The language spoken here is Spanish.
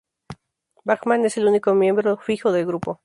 Bachmann es el único miembro fijo del grupo.